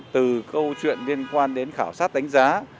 từ câu chuyện liên quan đến khảo sát đánh giá